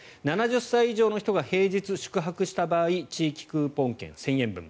７０歳以上の人が平日宿泊した場合地域クーポン券１０００円分。